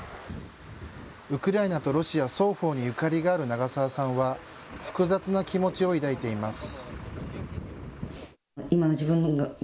ウクライナとロシア、双方にゆかりがある長澤さんは複雑な気持ちを抱いています。